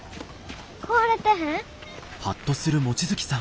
壊れてへん？